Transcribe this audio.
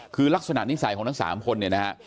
คือลักษณะนิสัยของทั้ง๓คนเนี่ยนะฮะ